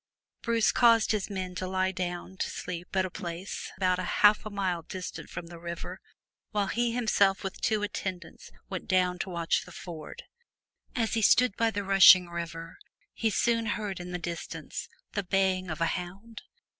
Bruce caused his men to lie down to sleep at a place 284 FROM THE TOWER WINDOW about a half a mile distant from the river while he himself with two attendants went down to watch the ford. As he stood by the rushing river, he soon heard in the distance the baying of a hound.